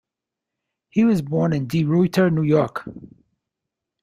He was born in De Ruyter, New York.